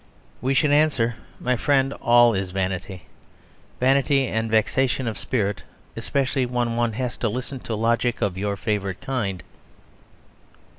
We should answer, "My friend, all is vanity, vanity and vexation of spirit especially when one has to listen to logic of your favourite kind.